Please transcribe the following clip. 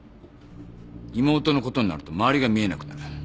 妹のことになると周りが見えなくなる。